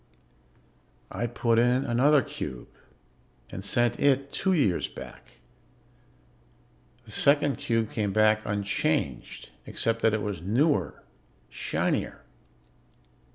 "I put in another cube and sent it two years back. The second cube came back unchanged, except that it was newer, shinier.